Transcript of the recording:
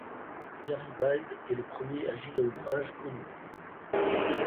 Garibald est le premier Agilolfinge connu.